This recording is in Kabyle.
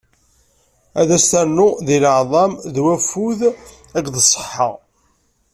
Ad as-ternu deg leɛḍam d wafud akked ṣṣeḥḥa.